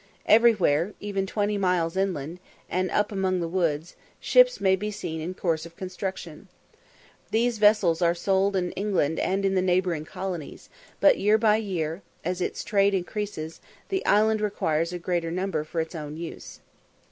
Everywhere, even twenty miles inland, and up among the woods, ships may be seen in course of construction. These vessels are sold in England and in the neighbouring colonies; but year by year, as its trade increases, the island requires a greater number for its own use.